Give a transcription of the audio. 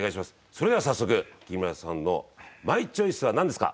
それでは早速きみまろさんのマイチョイスはなんですか？